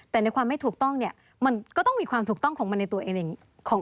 แต่ในความไม่ถูกต้องเนี่ยมันก็ต้องมีความถูกต้องของมันในตัวเองของ